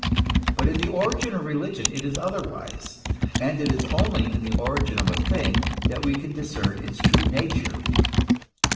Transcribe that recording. But in the origin of religion it is otherwise; and it is only in the origin of a thing that we can discern its true nature.